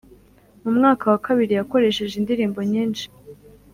Mu umwaka wakabiri yakoresheje indirimbo nyinshi